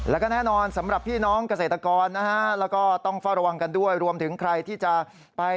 แล้วก็แน่นอนสำหรับพี่น้องเกษตรกรนะฮะ